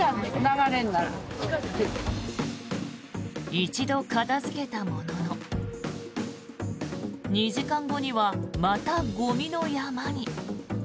一度片付けたものの２時間後には、またゴミの山に。